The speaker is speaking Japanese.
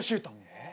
えっ！？